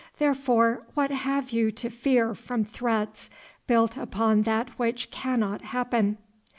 Therefore what have you to fear from threats built upon that which cannot happen?